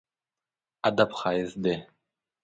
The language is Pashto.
ادب ښايست دی.